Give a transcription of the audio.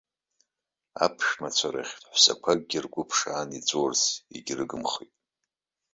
Аԥшәмацәа рахьтә ҳәсақәакгьы ргәы ԥшаан иҵәыуарц егьрыгымхеит.